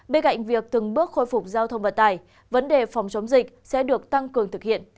bên cạnh việc từng bước khôi phục giao thông vận tải vấn đề phòng chống dịch sẽ được tăng cường thực hiện